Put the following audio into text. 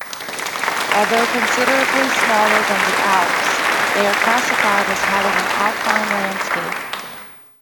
Although considerably smaller than the Alps, they are classified as having an alpine landscape.